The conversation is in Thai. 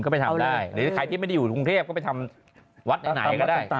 ก็ไปทำได้หรือใครที่ไม่ได้อยู่กรุงเทพก็ไปทำวัดไหนก็ได้